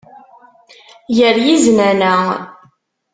Gar yiznan-a.